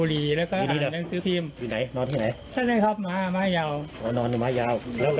แล้วต้องไปไกลต่อกันเนี่ยนอนเสร็จแล้ว